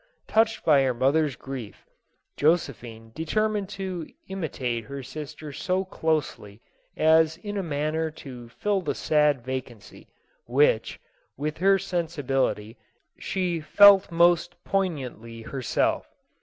Touched by her mother's grief, Josephine de termined to imitate her sister so closely as in a manner to fill the sad vacancy, which, with her sensibility, she felt most poignantly herself.